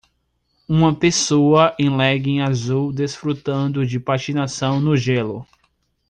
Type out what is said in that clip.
Uma pessoa em legging azul desfrutando de patinação no gelo.